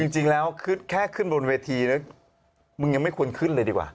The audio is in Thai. จริงแล้วแค่ขึ้นบนเวทีนะมึงยังไม่ควรขึ้นเลยดีกว่า